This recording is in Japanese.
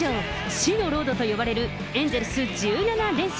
死のロードと呼ばれるエンゼルス１７連戦。